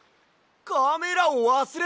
カメラをわすれた！